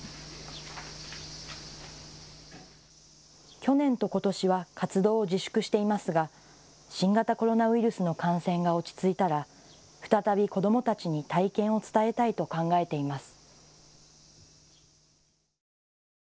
去年とことしは活動を自粛していますが新型コロナウイルスの感染が落ち着いたら、再び子どもたちに体験を伝えたいと考えています。